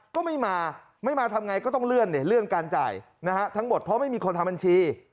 ก็ไม่มาไม่มาทำไงก็ต้องเลื่อนเนี่ยเลื่อนการจ่ายนะฮะทั้งหมดเพราะไม่มีคนทำบัญชี